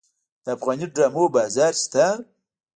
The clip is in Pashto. د افغاني ډرامو بازار شته؟